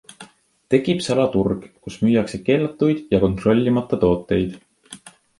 Tekib salaturg, kus müüakse keelatuid ja kontrollimata tooteid.